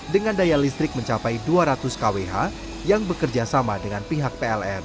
dengan daya listrik mencapai dua ratus kwh yang bekerja sama dengan pihak pln